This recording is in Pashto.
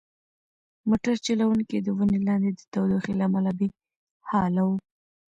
موټر چلونکی د ونې لاندې د تودوخې له امله بې حاله و.